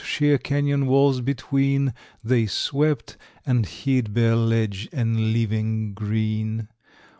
Sheer canyon walls between They swept, and hid bare ledge and living green.